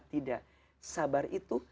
tidak sabar itu